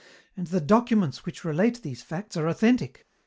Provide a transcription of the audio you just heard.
"And the documents which relate these facts are authentic.